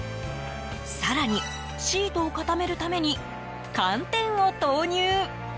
更に、シートを固めるために寒天を投入。